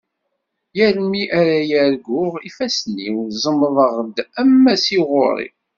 Yal mi ara arguɣ ifassen-iw ẓemḍen-d ammas-is ɣur-i.